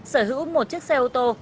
sở hữu một chiếc xe ô tô